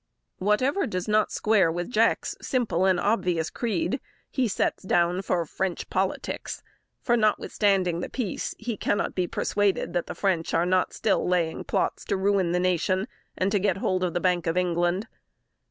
Whatever does not square with Jack's simple and obvious creed, he sets down for "French politics;" for, notwithstanding the peace, he cannot be persuaded that the French are not still laying plots to ruin the nation, and to get hold of the Bank of England.